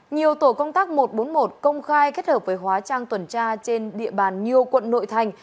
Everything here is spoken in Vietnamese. nhiều tổ công tác một trăm bốn mươi một công khai kết hợp với hóa trang tuần tra trên địa bàn nhiều quận nội thành